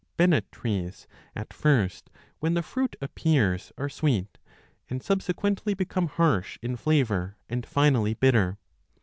Bennut trees l at first when the fruit appears are sweet, and subsequently become harsh in flavour and finally bitter.